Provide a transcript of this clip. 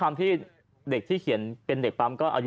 คุณธิชานุลภูริทัพธนกุลอายุ๓๔